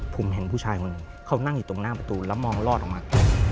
ผมเห็นผู้ชายคนหนึ่งเขานั่งอยู่ตรงหน้าประตูแล้วมองลอดออกมา